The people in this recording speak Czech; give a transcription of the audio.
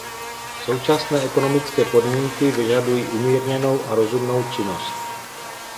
Současné ekonomické podmínky vyžadují umírněnou a rozumnou činnost.